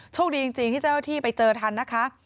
โชคดีจริงที่เจ้าหน้าที่ไปเจอทันนะคะ